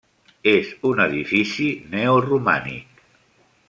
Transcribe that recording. És un edifici neoromànic.